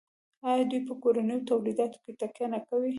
آیا دوی په کورنیو تولیداتو تکیه نه کوي؟